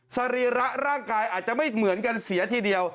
สรีระร่างกายอาจจะไม่เหมือนกันเสียทีเดียว